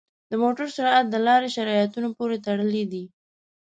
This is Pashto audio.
د موټر سرعت د لارې شرایطو پورې تړلی دی.